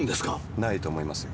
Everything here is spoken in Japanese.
ないと思いますよ。